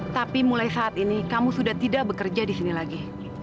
tapi mulai saat ini kamu sudah tidak bekerja di sini lagi